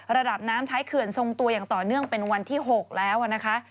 ระดับน้ำท้ายเขื่อนทรงตัวอย่างต่อเนื่องเป็นวันที่๖แล้วนะคะ